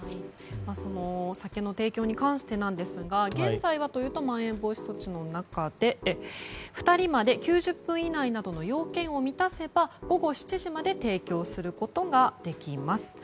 お酒の提供に関してですが現在はというとまん延防止措置の中で２人まで９０分以内などの要件を満たせば午後７時まで提供することができます。